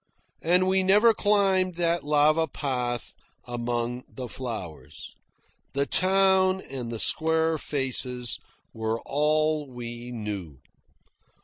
And we never climbed that lava path among the flowers. The town and the square faces were all we saw.